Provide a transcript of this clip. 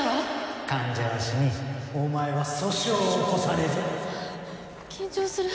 患者は死にお前は訴訟を起こされる緊張する。